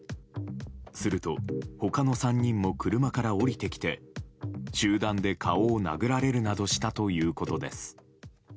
すると、他の３人も車から降りてきて集団で顔を殴られるなどしたということです。